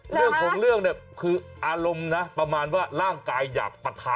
เรื่องของเรื่องเนี่ยคืออารมณ์นะประมาณว่าร่างกายอยากปะทะ